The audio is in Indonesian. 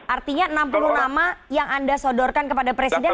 artinya enam puluh nama yang anda sodorkan kepada presiden